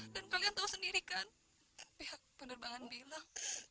dan kalian tau sendiri kan pihak penerbangan bilang